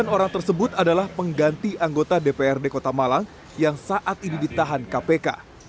sembilan orang tersebut adalah pengganti anggota dprd kota malang yang saat ini ditahan kpk